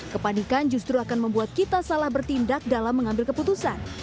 kepanikan justru akan membuat kita salah bertindak dalam mengambil keputusan